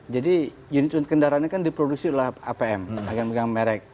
jadi unit unit kendaraannya kan diproduksi oleh apm agar menggangg merek